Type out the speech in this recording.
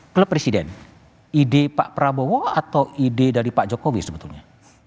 klub presiden ide pak prabowo atau ide dari pak jokowi sebetulnya